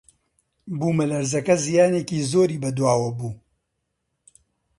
بوومەلەرزەکە زیانێکی زۆری بەدواوە بوو.